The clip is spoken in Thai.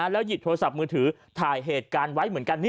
แล้วหยิบโทรศัพท์มือถือถ่ายเหตุการณ์ไว้เหมือนกัน